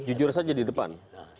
jujur saja di depan